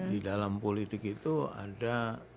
di dalam politik itu ada